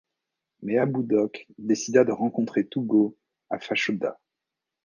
Mais Abudok décida de rencontrer Tugo à Fachoda.